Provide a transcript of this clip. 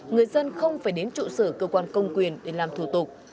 người dân không phải đến trụ sở cơ quan công quyền để làm thủ tục